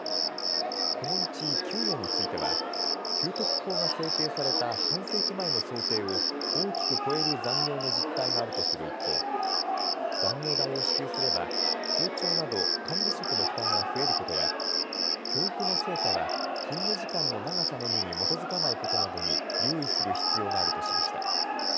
このうち給与については給特法が制定された半世紀前の想定を大きく超える残業の実態があるとする一方、残業代を支給すれば校長など管理職の負担が増えることや教育の成果は勤務時間の長さのみに基づかないことなどに留意する必要があるとしました。